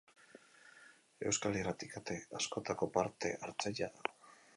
Euskal irrati-kate askotako parte hartzailea da.